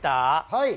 はい。